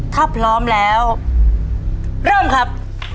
ถ้าพร้อมแล้วเริ่มครับ